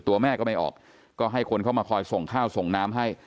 ตัวแม่ก็ไม่ออกก็ให้คนเข้ามาคอยส่งข้าวส่งน้ำให้